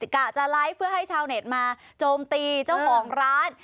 กะจะไลฟ์เพื่อให้ชาวเน็ตมาโจมตีเจ้าของร้าน